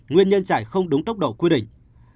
nguyên nhân chạy không đúng tốc độ quy định